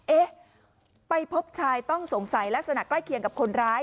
เอ๊ะไปพบชายต้องสงสัยลักษณะใกล้เคียงกับคนร้าย